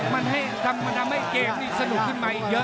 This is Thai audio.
มันให้มันทำให้เกมนี้สนุกขึ้นมัยเยอะเลย